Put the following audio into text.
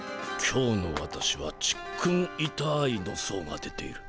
今日の私はちっくんいたーいの相が出ている。